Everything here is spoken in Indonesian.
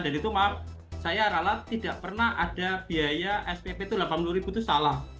dan itu maaf saya ralat tidak pernah ada biaya spp itu rp delapan puluh itu salah